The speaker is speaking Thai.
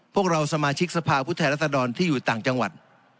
พวกเราสมาชิกสภาพุทธรัศดรที่อยู่ต่างจังหวัด